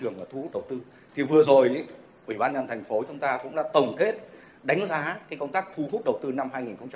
như vậy là chúng ta triển khai thu hút đầu tư năm hai nghìn một mươi tám